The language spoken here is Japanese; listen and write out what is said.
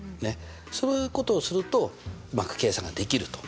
そういうことをするとうまく計算ができると。